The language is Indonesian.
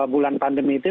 bulan pandemi itu